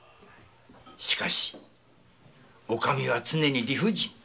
しかしお上は常に理不尽。